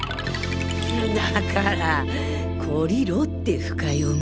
だから懲りろって深読み！